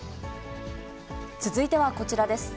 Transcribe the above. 続いてはこちらです。